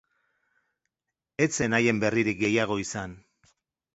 Ez zen haien berririk gehiago izan.